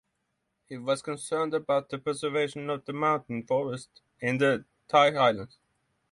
He was concerned about the preservation of the mountain forests in the Thai highlands.